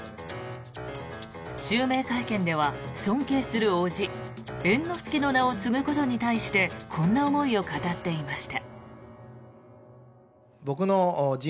襲名会見では尊敬する伯父・猿之助の名を継ぐことに対してこんな思いを語っていました。